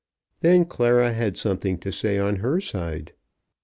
Then Clara had something to say on her side.